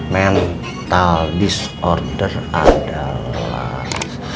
mental disorder adalah